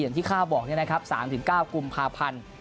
อย่างที่ข้าวบอกนะครับ๓๙กพาพันธุ์